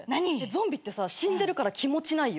ゾンビってさ死んでるから気持ちないよ？